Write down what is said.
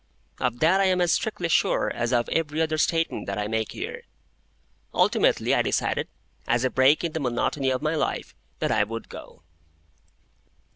Of that I am as strictly sure as of every other statement that I make here. Ultimately I decided, as a break in the monotony of my life, that I would go.